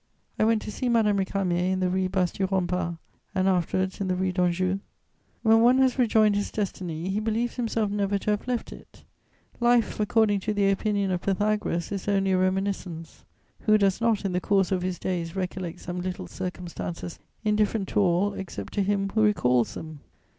I went to see Madame Récamier in the Rue Basse du Rempart and, afterwards, in the Rue d'Anjou. When one has rejoined his destiny, he believes himself never to have left it: life, according to the opinion of Pythagoras, is only a reminiscence. Who does not, in the course of his days, recollect some little circumstances indifferent to all, except to him who recalls them?